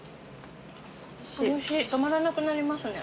おいしい止まらなくなりますね。